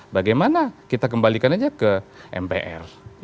bagaimana kita kembalikan aja ke mpr